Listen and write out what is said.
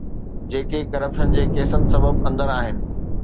جيڪي ڪرپشن جي ڪيسن سبب اندر آهن.